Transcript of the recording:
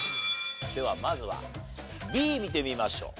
ではまずはＢ見てみましょう。